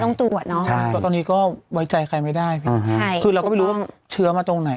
ตรวจเนอะใช่เพราะตอนนี้ก็ไว้ใจใครไม่ได้พี่ใช่คือเราก็ไม่รู้ว่าเชื้อมาตรงไหน